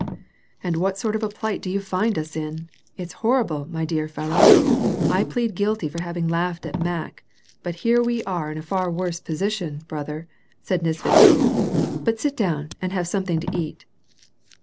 " Ajid what sort of a plight do you find us in ! It's horrible, niy dear fellow ; I plead guilty for having laughed at Mack, hat here we are in a far worse position, brother," said Nesvit sky. " But sit down, and have something to eat."